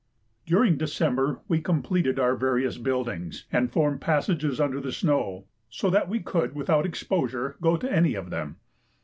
During December we completed our various buildings, and formed passages under the snow, so that we could without exposure go to any of them.